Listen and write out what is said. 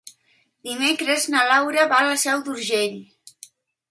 Dimecres na Laura va a la Seu d'Urgell.